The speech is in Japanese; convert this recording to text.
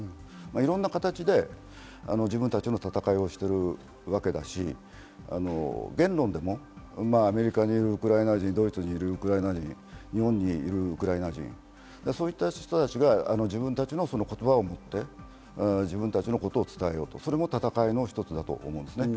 いろんな形で自分たちの戦いをしているわけだし、言論でもアメリカにいるウクライナ人、日本にいるウクライナ人、そういった人たちが自分たちの言葉を持って自分たちのことを伝えようと、それも戦いの一つだと思うんですね。